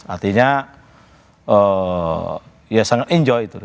artinya ya sangat enjoy itu